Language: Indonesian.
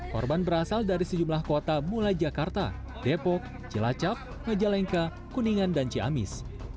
korban berasal dari sejumlah kota mulai jakarta depok cilacap majalengka kuningan dan ciamis